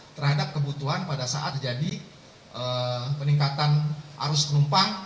terhadap kebutuhan pada saat jadi peningkatan arus penumpang